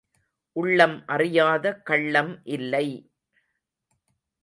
உள்ளம் அறியாத கள்ளம் இல்லை.